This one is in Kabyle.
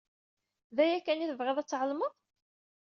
D aya kan i tebɣiḍ ad tɛelmeḍ?